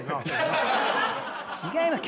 違います